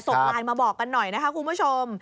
ส่งไลน์มาบอกกันหน่อยนะคะคุณผู้ชม